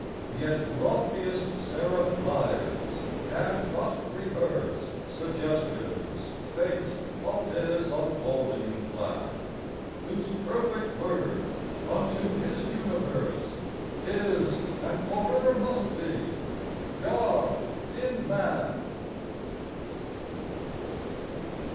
Yet loftiest seraph lyres can but rehearse Suggestions faint of His unfolding plan, Whose perfect Word unto His universe Is, and forever must be, God in man